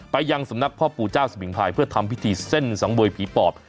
ไปยังสำนักพ่อปู่เจ้าสมิงพายเพื่อทำพิธีเส้นสังเวยผีปอบ